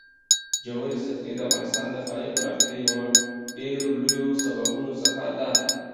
ژورې سرچینې د افغانستان د ښاري پراختیا یو له ډېرو لویو سببونو څخه ده.